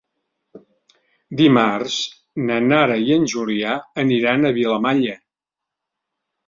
Dimarts na Nara i en Julià aniran a Vilamalla.